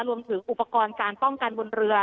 รวมถึงอุปกรณ์การป้องกันบนเรือ